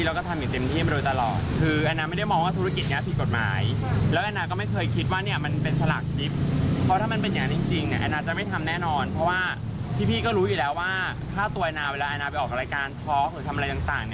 เวลาอาณาไปออกกับรายการพอร์คหรือทำอะไรต่าง